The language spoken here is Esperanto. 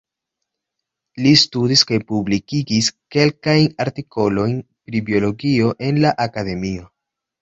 Li studis kaj publikigis kelkajn artikolojn pri biologio en la Akademio.